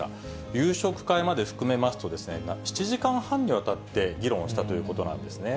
夕食会まで含めますと、７時間半にわたって議論をしたということなんですね。